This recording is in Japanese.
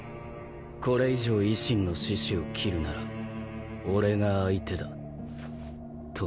これ以上維新の志士を斬るなら俺が相手だとな